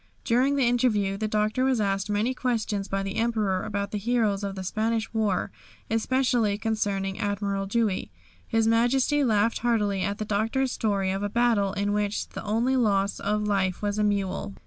During the interview the Doctor was asked many questions by the Emperor about the heroes of the Spanish war, especially concerning Admiral Dewey. His Majesty laughed heartily at the Doctor's story of a battle in which the only loss of life was a mule.